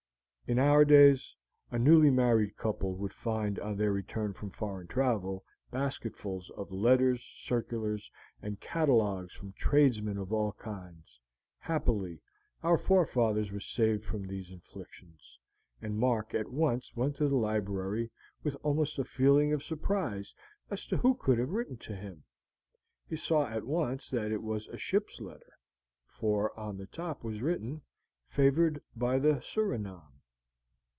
In our days a newly married couple would find on their return from foreign travel basketfuls of letters, circulars, and catalogues from tradesmen of all kinds; happily, our forefathers were saved from these inflictions, and Mark at once went to the library with almost a feeling of surprise as to who could have written to him. He saw at once that it was a ship's letter, for on the top was written, "Favored by the Surinam."